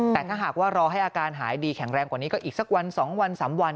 แต่ถ้าหากว่ารอให้อาการหายดีแข็งแรงกว่านี้ก็อีกสักวัน๒วัน๓วัน